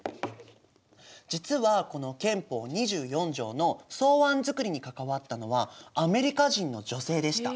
実はこの憲法２４条の草案作りに関わったのはアメリカ人の女性でした。